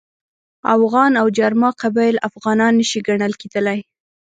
اوغان او جرما قبایل افغانان نه شي ګڼل کېدلای.